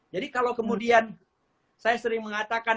jadi kalau kemudian saya sering mengatakan